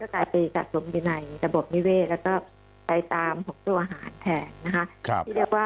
ก็จะการไปสะสมศรีในระบบนิเวศแล้วก็ไปตาม๖พักครับ